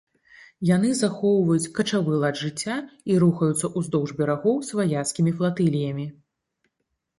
Яны захоўваюць качавы лад жыцця і рухаюцца ўздоўж берагоў сваяцкімі флатыліямі.